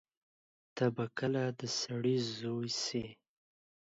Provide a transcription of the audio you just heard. ته به کله د سړی زوی سې.